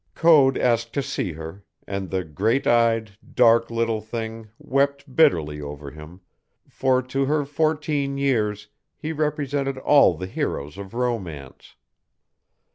Code asked to see her, and the great eyed, dark little thing wept bitterly over him, for to her fourteen years he represented all the heroes of romance.